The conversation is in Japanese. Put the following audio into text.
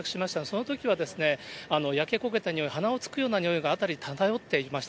そのときは焼け焦げた臭い、鼻をつくような臭いが辺りに漂っていました。